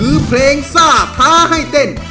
คือเพลงซ่าท้าให้เต้น